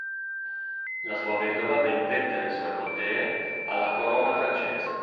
La sua vedova vendette le sue contee alla corona francese.